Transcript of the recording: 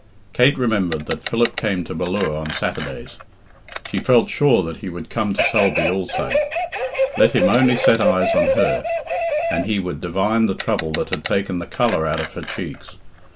Kate remembered that Philip came to Ballure on Saturdays. She felt sure that he would come to Sulby also. Let him only set eyes on her, and he would divine the trouble that had taken the colour out of her cheeks.